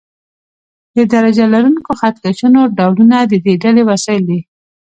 د درجه لرونکو خط کشونو ډولونه د دې ډلې وسایل دي.